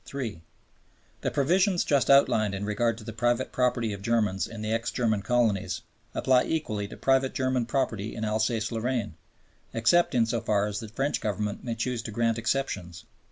(3) The provisions just outlined in regard to the private property of Germans in the ex German colonies apply equally to private German property in Alsace Lorraine, except in so far as the French Government may choose to grant exceptions.